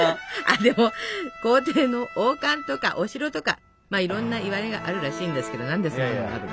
あでも皇帝の王冠とかお城とかいろんないわれがあるらしいんですけど何でそんなのがあるの？